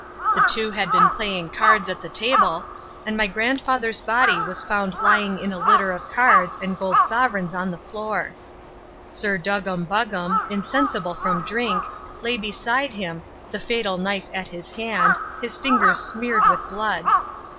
The two had been playing cards at the table and my grandfather's body was found lying in a litter of cards and gold sovereigns on the floor. Sir Duggam Buggam, insensible from drink, lay beside him, the fatal knife at his hand, his fingers smeared with blood.